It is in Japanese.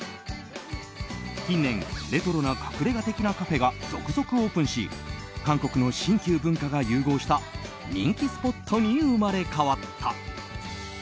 近年レトロな隠れ家的なカフェが続々オープンし韓国の新旧文化が融合した人気スポットに生まれ変わった。